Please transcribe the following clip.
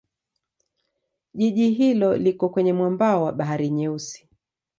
Jiji hilo liko kwenye mwambao wa Bahari Nyeusi.